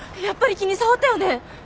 やっぱり気に障ったよね？